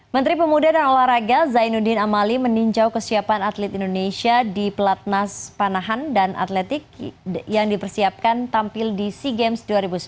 menteri pemuda dan olahraga zainuddin amali meninjau kesiapan atlet indonesia di pelatnas panahan dan atletik yang dipersiapkan tampil di sea games dua ribu sembilan belas